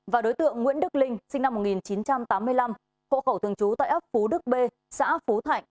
và đối tượng nguyễn đức linh sinh năm một nghìn chín trăm tám mươi năm hộ khẩu thường trú tại ấp phú đức b xã phú thạnh